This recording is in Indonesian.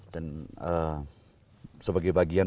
dan sebagai bagian